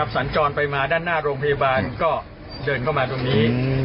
สัญจรไปมาด้านหน้าโรงพยาบาลก็เดินเข้ามาตรงนี้